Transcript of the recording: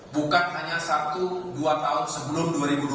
bukan hanya satu dua tahun sebelum dua ribu dua puluh